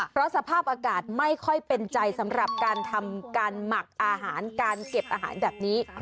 เพราะสภาพอากาศไม่ค่อยเป็นใจสำหรับการทำการหมักอาหารการเก็บอาหารแบบนี้